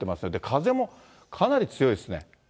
風もかなり強いですね。